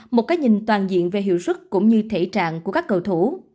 một cái nhìn toàn diện về hiệu sức cũng như thể trạng của các cầu thủ